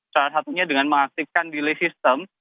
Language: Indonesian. salah satunya dengan mengaktifkan delay system